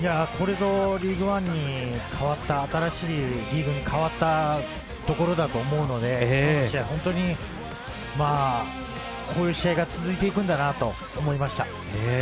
これぞリーグワンに変わった新しいリーグに変わったところだと思うので、こういう試合が続いていくんだなと思いました。